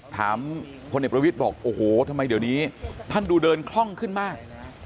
พลเอกประวิทย์บอกโอ้โหทำไมเดี๋ยวนี้ท่านดูเดินคล่องขึ้นมาก